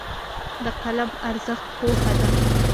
د قلم ارزښت پوهه ده.